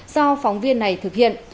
do phóng viên này thực hiện